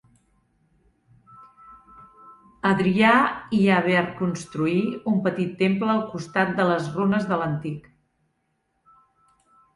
Adrià hi ha ver construir un petit temple al costat de les runes de l'antic.